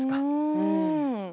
うん。